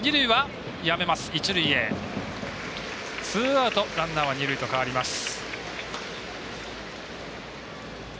ツーアウトランナー、二塁へと変わります。